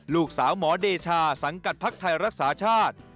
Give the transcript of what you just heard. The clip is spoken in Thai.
ลูกสาวหมอเดชาสังกัดภักดิ์ไทยรักษาชาติ